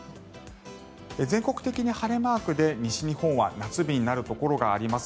全国的に晴れマークで西日本は夏日になるところがあります。